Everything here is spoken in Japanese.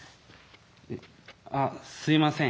「えあすいません。